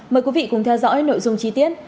mời quý vị cùng theo dõi nội dung chi tiết